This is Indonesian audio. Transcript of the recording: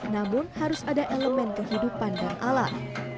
namun harus ada elemen kehidupan dan alam